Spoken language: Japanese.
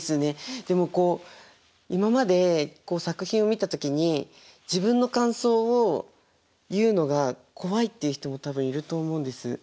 でもこう今まで作品を見た時に自分の感想を言うのが怖いっていう人も多分いると思うんです。